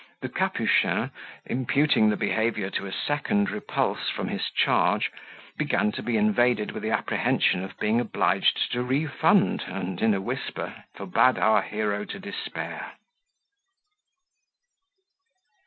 The Capuchin, imputing the disorder to a second repulse from his charge, began to be invaded with the apprehension of being obliged to refund, and in a whisper forbade our hero to despair.